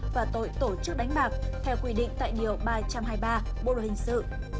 và tội tổ chức đánh bạc theo quy định tại điều ba trăm hai mươi ba bộ luật hình sự